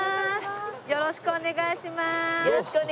よろしくお願いします。